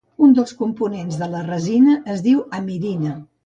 Un dels components de la resina es diu amirina.